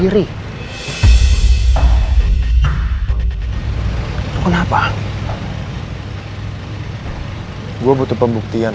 roy atau bukan